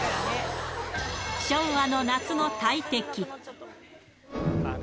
昭和の夏の大敵。